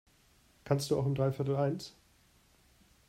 Kannst du auch um dreiviertel eins?